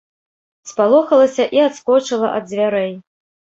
Спалохалася і адскочыла ад дзвярэй.